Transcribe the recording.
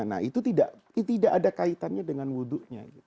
nah itu tidak ada kaitannya dengan wudhunya